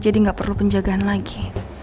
jadi gak perlu penjagaan lagi